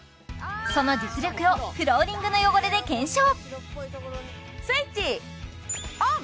その実力をフローリングの汚れで検証スイッチオン！